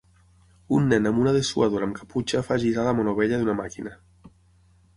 Un nen amb una dessuadora amb caputxa fa girar la manovella d'una màquina.